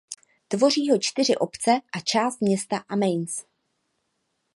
Tvoří ho čtyři obce a část města Amiens.